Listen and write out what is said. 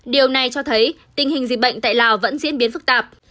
điều này cho thấy tình hình dịch bệnh tại lào vẫn diễn biến phức tạp